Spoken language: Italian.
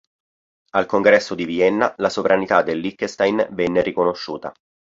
Al Congresso di Vienna la sovranità del Liechtenstein venne riconosciuta.